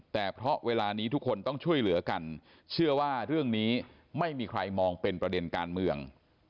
แต่เพราะเวลานี้ทุกคนต้องช่วยเหลือกันเชื่อว่าเรื่องนี้ไม่มีใครมองเป็นประเด็นการเมือง